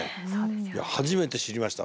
初めて知りました。